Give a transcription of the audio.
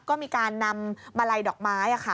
ก็มีการนำมาลัยดอกไม้